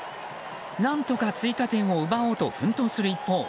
何とか追加点を奪おうと奮闘する一方